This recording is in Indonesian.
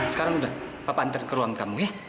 sekarang sudah bapak antar ke ruang kamu ya